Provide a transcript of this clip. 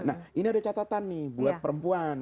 nah ini ada catatan nih buat perempuan